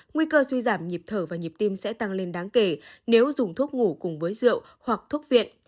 nguy cơ suy giảm nhịp thở và nhịp tim sẽ tăng lên đáng kể nếu dùng thuốc ngủ cùng với rượu hoặc thuốc viện